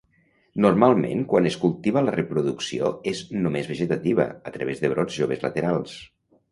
Normalment quan es cultiva la reproducció és només vegetativa a través de brots joves laterals.